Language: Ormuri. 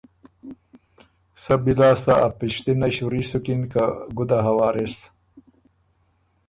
سۀ بی لاسته ا پِشتِنئ شوري سُکِن که ګُده هۀ وارث۔